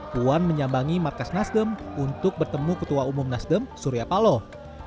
puan menyambangi markas nasdem untuk bertemu ketua umum nasdem surya paloh